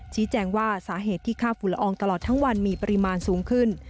ชี้แจงว่าสาเหตุที่ค่าฝุ่นละอองตลอดทั้งวันมีปริมาณสูงขึ้น